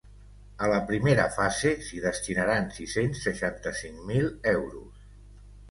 A la primera fase s’hi destinaran sis-cents seixanta-cinc mil euros.